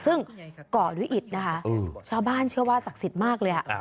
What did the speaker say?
ซึ่งเกาะด้วยอิตนะคะชาวบ้านเชื่อว่าศักดิ์สิทธิ์มากเลย